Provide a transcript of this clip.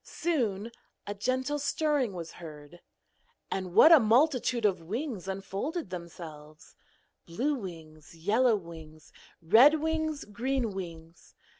Soon a gentle stirring was heard, and what a multitude of wings unfolded themselves: blue wings, yellow wings, red wings, green wings.